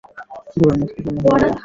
গোরার মুখ বিবর্ণ হইয়া গেল।